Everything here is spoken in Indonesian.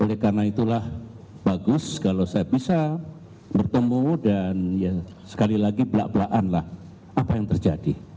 oleh karena itulah bagus kalau saya bisa bertemu dan ya sekali lagi belak belakanlah apa yang terjadi